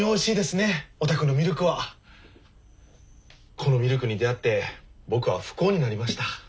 このミルクに出会って僕は不幸になりました。